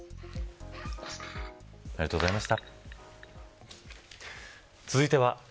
ありがとうござました。